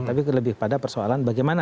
tapi lebih pada persoalan bagaimana